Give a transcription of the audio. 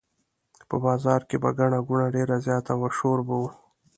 په بازار کې به ګڼه ګوڼه ډېره زیاته وه شور به و.